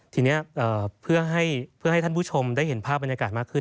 ทีนี้เพื่อให้ท่านผู้ชมได้เห็นภาพบรรยากาศมากขึ้น